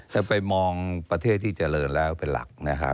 แต่ไปมองประเทศที่เจริญแล้วเป็นหลัก